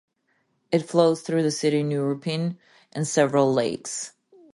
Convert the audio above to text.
It flows through the city Neuruppin and several lakes.